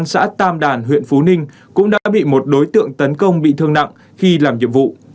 xã tam đàn huyện phú ninh cũng đã bị một đối tượng tấn công bị thương nặng khi làm nhiệm vụ